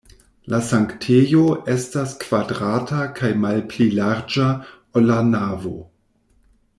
La sanktejo estas kvadrata kaj malpli larĝa, ol la navo.